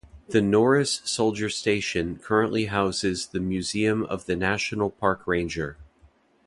The Norris soldier station currently houses the Museum of the National Park Ranger.